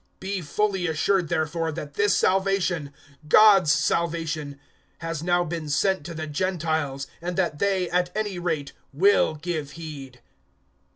028:028 "Be fully assured, therefore, that this salvation God's salvation has now been sent to the Gentiles, and that they, at any rate, will give heed."